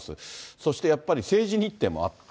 そしてやっぱり、政治日程もあって。